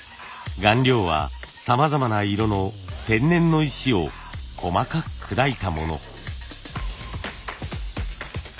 顔料はさまざまな色の天然の石を細かく砕いたもの。